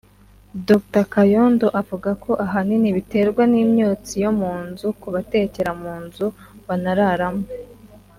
Dr Kayondo avuga ko ahanini biterwa n’imyotsi yo mu nzu kubatekera mu nzu banararamo